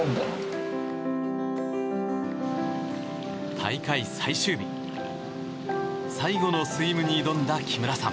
大会最終日最後のスイムに挑んだ木村さん。